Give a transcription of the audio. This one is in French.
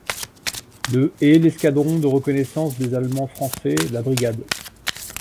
Le est l'escadron de reconnaissance des allemands-français la brigade.